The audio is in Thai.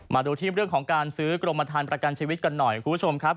มาดูที่เรื่องของการซื้อกรมฐานประกันชีวิตกันหน่อยคุณผู้ชมครับ